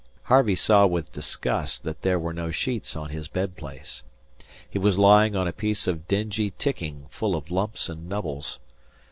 Harvey saw with disgust that there were no sheets on his bed place. He was lying on a piece of dingy ticking full of lumps and nubbles.